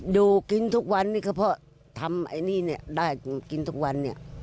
ดูกินทุกวันนี่ครับเพราะทำอันนี้นี่ได้กินทุกวันนี่